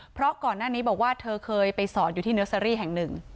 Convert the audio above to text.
เพราะก่อนหน้านี้บอกว่าเธอเคยไปสอนอยู่ที่เนอร์เซอรี่แห่งหนึ่ง